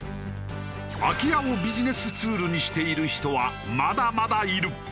空き家をビジネスツールにしている人はまだまだいる。